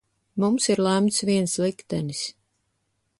Mums ir lemts viens liktenis.